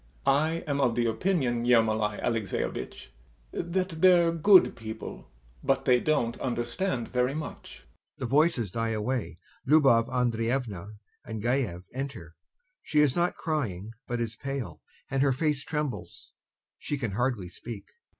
I am of the opinion, Ermolai Alexeyevitch, that they're good people, but they don't understand very much. [The voices die away. LUBOV ANDREYEVNA and GAEV enter. She is not crying but is pale, and her face trembles; she can hardly speak.